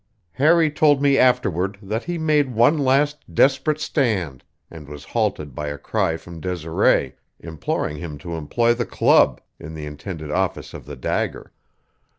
Harry told me afterward that he made one last desperate stand, and was halted by a cry from Desiree, imploring him to employ the club in the intended office of the dagger.